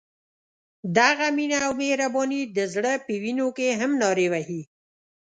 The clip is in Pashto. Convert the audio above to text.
دغه مینه او مهرباني د زړه په وینو کې هم نارې وهي.